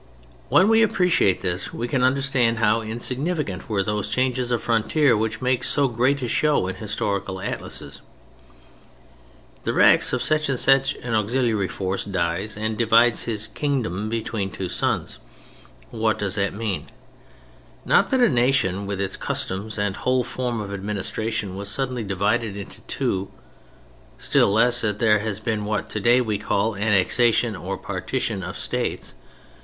When we appreciate this we can understand how insignificant were those changes of frontier which make so great a show in historical atlases. The Rex of such and such an auxiliary force dies and divides his "kingdom" between two sons. What does that mean? Not that a nation with its customs and its whole form of administration was suddenly divided into two, still less that there has been what today we call "annexation" or "partition" of states.